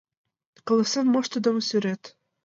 Каласен моштыдымо сӱрет!